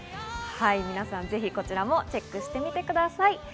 ぜひこちらもチェックしてください。